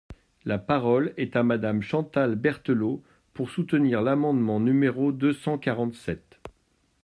La parole est à Madame Chantal Berthelot, pour soutenir l’amendement numéro deux cent quarante-sept.